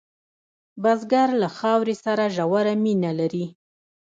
بزګر له خاورې سره ژوره مینه لري